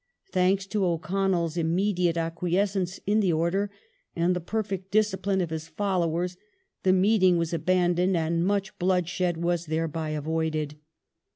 Thanks to O'Connell's im mediate acquiescence in the order, and the perfect discipline of his followers, the meeting was abandoned, and much bloodshed was thereby avoided.